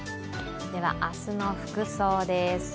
明日の服装です。